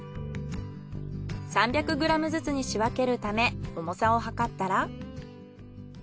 ３００ｇずつに仕分けるため重さを計ったら。